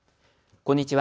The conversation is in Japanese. こんにちは。